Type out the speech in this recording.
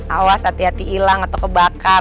awas hati hati hilang atau kebakar